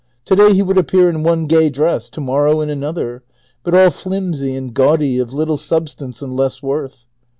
To day he would appear in one gay dress, to mor row in another; but all flimsy and gamly, of little substance and less worth.